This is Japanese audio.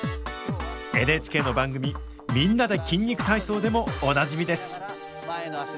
ＮＨＫの番組「みんなで筋肉体操」でもおなじみです。